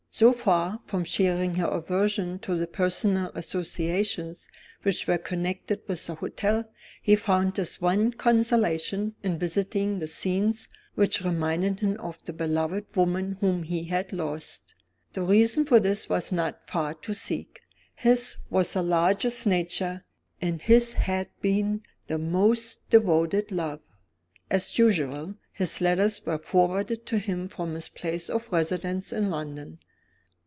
So far from sharing her aversion to the personal associations which were connected with the hotel, he found his one consolation in visiting the scenes which reminded him of the beloved woman whom he had lost. The reason for this was not far to seek. His was the largest nature, and his had been the most devoted love. As usual, his letters were forwarded to him from his place of residence in London.